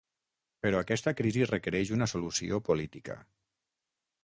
Però aquesta crisi requereix una solució política.